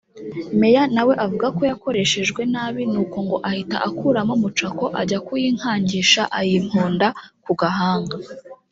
Meya nawe avuga ko yakoreshejwe nabi ni uko ngo ahita ‘akuramo mucako ajya kuyinkangisha ayimponda ku gahanga’